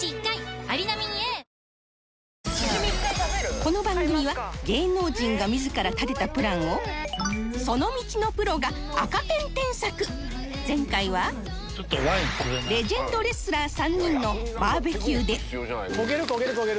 この番組は芸能人が自ら立てたプランをその道のプロが赤ペン添削前回はレジェンドレスラー３人のバーベキューで焦げる焦げる焦げる！